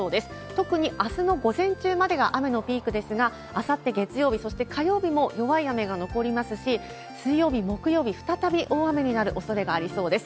特にあすの午前中までが雨のピークですが、あさって月曜日、そして火曜日も弱い雨が残りますし、水曜日、木曜日、再び大雨になるおそれがありそうです。